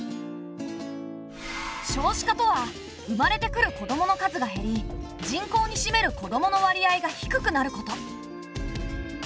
少子化とは生まれてくる子どもの数が減り人口にしめる子どもの割合が低くなること。